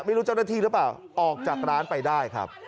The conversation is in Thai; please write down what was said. ไม่รู้เจ้าหน้าที่หรือเปล่าออกจากร้านไปได้ครับ